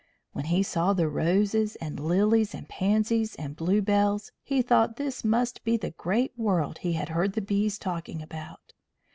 When he saw the roses and lilies and pansies and bluebells he thought this must be the great world he had heard the bees talking about.